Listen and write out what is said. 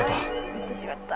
行ってしまった。